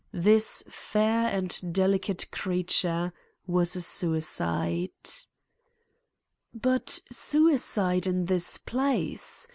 This fair and delicate creature was a suicide. But suicide in this place!